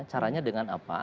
caranya dengan apa